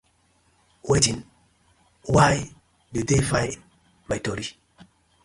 Wetin? Why do dey find my toro?